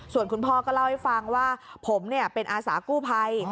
ส่วนคุณพ่อก็เล่าให้ฟังว่าผมเป็นอาสากู้ภัย